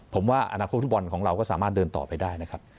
ผมว่าอนาคตฟุตบอลของเราก็สามารถเดินต่อไปได้นะครับ